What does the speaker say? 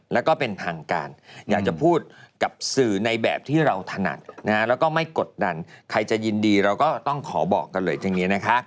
ยังพี่เขายังไม่ได้แต่ง